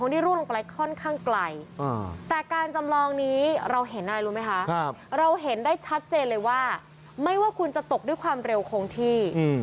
ด้วยความเร็ว๑๔๘กิโลเมตรต่อชั่วโมง๑นาที